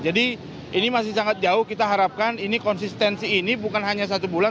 jadi ini masih sangat jauh kita harapkan ini konsistensi ini bukan hanya satu bulan